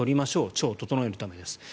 腸を整えるためです。